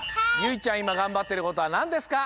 いまがんばってることはなんですか？